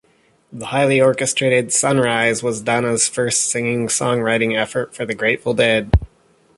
The highly orchestrated "Sunrise" was Donna's first singing-songwriting effort for the Grateful Dead.